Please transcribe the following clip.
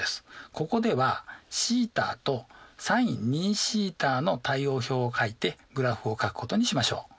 ここではθとｓｉｎ２θの対応表をかいてグラフをかくことにしましょう。